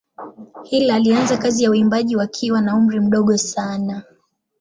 Hill alianza kazi za uimbaji wakiwa na umri mdogo sana.